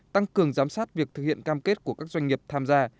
tăng cường giám sát việc thực hiện cam kết của các doanh nghiệp tham gia